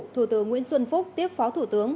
thủ tướng nguyễn xuân phúc tiếp phó thủ tướng